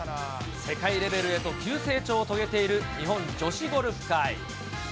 世界レベルへと急成長を遂げている日本女子ゴルフ界。